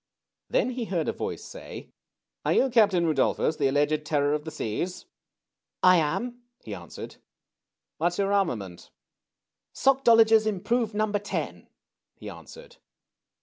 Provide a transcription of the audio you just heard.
Then he heard a voice say : Are you Captain Rudolphus, the alleged Terror of the Seas ?" I am," he answered. What's your armament ?" Sockdolagers, improved No. 10," he answered.